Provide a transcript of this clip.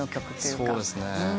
そうですね。